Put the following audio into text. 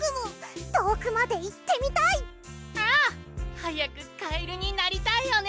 はやくカエルになりたいよね！